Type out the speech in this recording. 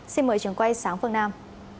xin mời trường quay sáng phương nam